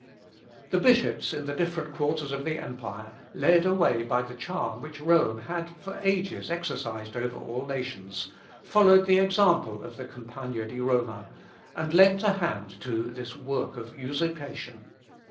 The bishops in the different quarters of the empire, led away by the charm which Rome had for ages exercised over all nations, followed the example of the Campagna di Roma, and lent a hand to this work of usurpation.